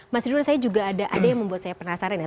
mas ridwan saya juga ada yang membuat saya penasaran ya